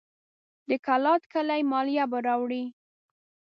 د کلات کلي مالیه به راوړي.